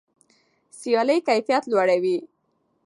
سیالي کیفیت لوړوي.